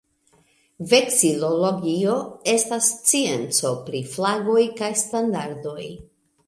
Veksilologio estas scienco pri flagoj kaj standardoj.